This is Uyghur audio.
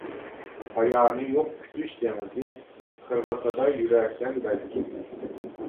پايانى يوق كۈتۈش دېڭىزى، قىرغىقىدا يۈرەرسەن بەلكىم.